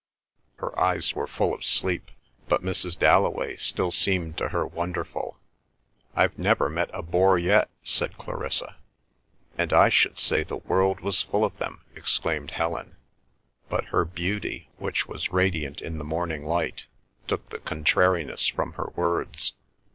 Her eyes were full of sleep, but Mrs. Dalloway still seemed to her wonderful. "I've never met a bore yet!" said Clarissa. "And I should say the world was full of them!" exclaimed Helen. But her beauty, which was radiant in the morning light, took the contrariness from her words.